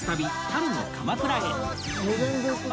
春の鎌倉へ